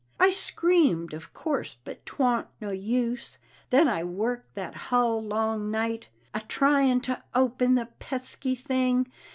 I screamed, of course, but 'twant no use. Then I worked that hull long night A tryin' to open the pesky thing.